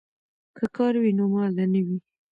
که کار وي نو ماله نه وي.